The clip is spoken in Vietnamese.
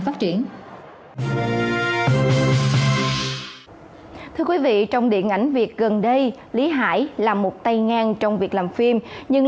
phát triển thưa quý vị trong điện ảnh việt gần đây lý hải là một tay ngang trong việc làm phim nhưng